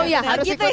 oh ya harus ikutan